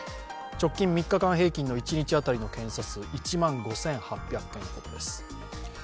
直近３日間平均の一日当たりの検査数、１万５８００件ほどです。